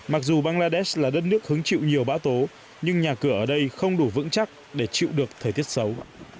mặc dù bangladesh là đất nước hứng chịu nhiều bão tố nhưng nhà cửa ở đây không đủ vững chắc để chịu được thời tiết xấu